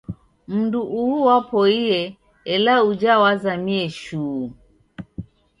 Mundu uhu wapoie ela uja wazamie shuu